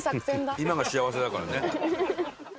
今が幸せだからね。